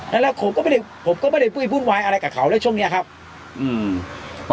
แล้วแล้วผมก็ไม่ได้ผมก็ไม่ได้ปุ้ยวุ่นวายอะไรกับเขาแล้วช่วงเนี้ยครับอืม